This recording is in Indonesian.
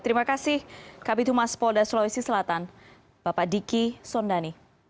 terima kasih kapitul mas pol da sulawesi selatan bapak diki sondani